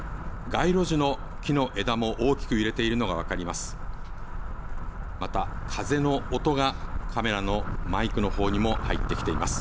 街路樹の木の枝も大きく揺れているのが分かります。